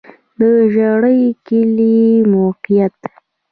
د ژرۍ کلی موقعیت